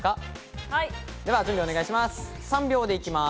では準備お願いします。